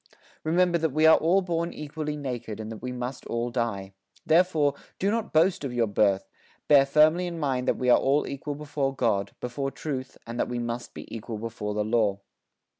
Remember that we are all born equally naked and that we must all die. Therefore, do not boast of your birth; bear firmly in mind that we are all equal before God, before Truth and that we must be equal before the Law.